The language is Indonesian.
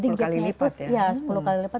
iya sepuluh kali lipat yang jauh banget